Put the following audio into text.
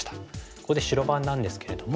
ここで白番なんですけれども。